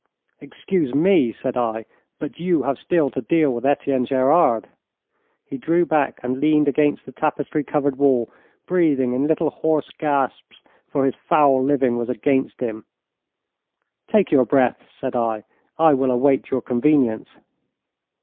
'Excuse me,' said I, 'but you have still to deal with Etienne Gerard.' He drew back and leaned against the tapestry covered wall, breathing in little, hoarse gasps, for his foul living was against him. 'Take your breath,' said I. 'I will await your convenience.'